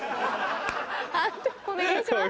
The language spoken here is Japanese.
判定お願いします。